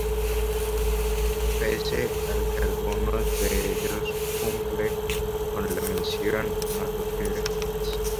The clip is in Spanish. Pese a que algunos de ellos cumplen con la misión, no regresan jamás.